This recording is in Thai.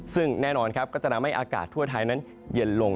ซึ่งแน่นอนครับก็จะทำให้อากาศทั่วไทยนั้นเย็นลง